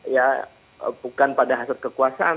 ya bukan pada hasrat kekuasaan